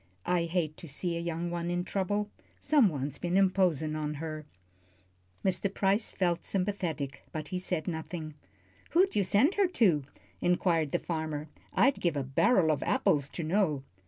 "I hate to see a young one in trouble. Someone's been imposin' on her." Mr. Price felt sympathetic, but he said nothing. "Who'd you send her to?" inquired the farmer. "I'd give a barrel of apples to know."